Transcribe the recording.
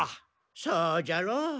そうじゃろう？